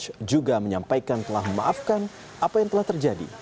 syed akil siroj juga menyampaikan telah memaafkan apa yang telah terjadi